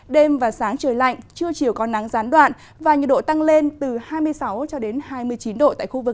đêm và sáng trời lạnh trưa chiều có nắng gián đoạn và nhiệt độ tăng lên từ hai mươi sáu hai mươi chín độ